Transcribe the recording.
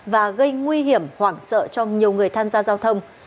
và gây nguy hiểm hoảng sợ cho nhiều người tham gia giao thông